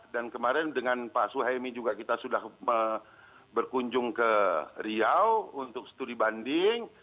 dan kemarin dengan pak suhaimi juga kita sudah berkunjung ke riau untuk studi banding